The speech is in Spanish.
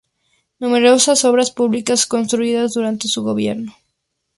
Numerosas obras públicas construidas durante su gobierno.